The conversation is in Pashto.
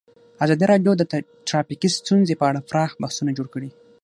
ازادي راډیو د ټرافیکي ستونزې په اړه پراخ بحثونه جوړ کړي.